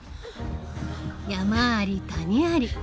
山あり谷あり。